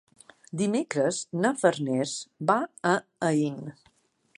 Dimecres na Farners va a Aín.